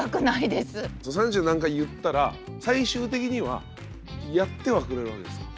じゃあ三十何回言ったら最終的にはやってはくれるわけですか。